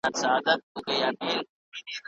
عرب له عجم څخه غوره نه دی.